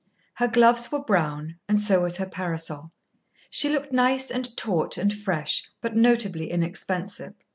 Her gloves were brown, and so was her parasol. She looked nice and taut and fresh, but notably inexpensive.